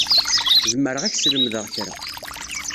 Zemreɣ ad ak-slemdeɣ kra.